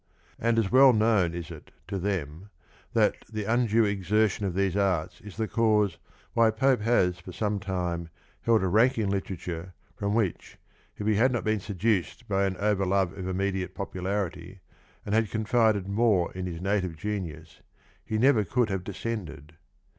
And as well known is it to them that the undue exerticni of these arts is the cause why Pope has for some time held a rank in literature, from which, if he had not been seduced by an over love of immediate popularity, and had confided more in his native genius, he never could have descended.